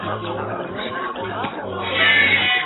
راځئ چې د علم ډیوې بلې کړو.